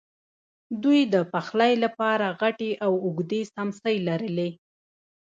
دوی د پخلی لپاره غټې او اوږدې څیمڅۍ لرلې.